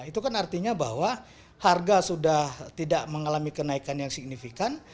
itu kan artinya bahwa harga sudah tidak mengalami kenaikan yang signifikan